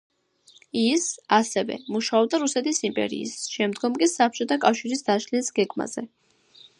ის, ასევე, მუშაობდა რუსეთის იმპერიის, შემდგომ კი საბჭოთა კავშირის დაშლის გეგმაზე.